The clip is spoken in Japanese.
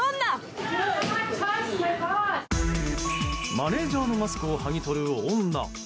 マネジャーのマスクをはぎ取る女。